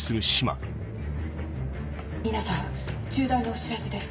皆さん重大なお知らせです。